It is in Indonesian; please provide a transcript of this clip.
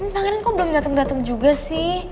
ini pangeran kok belum dateng dateng juga sih